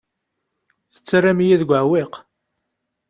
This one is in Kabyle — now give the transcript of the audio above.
Tettarram-iyi deg uɛewwiq.